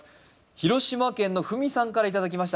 広島県のふみさんから頂きました。